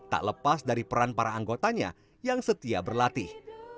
tak lepas dari peran para anggotanya yang setia berlatih